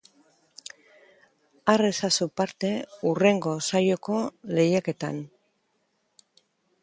Har ezazu parte hurrengo saioko lehiaketan!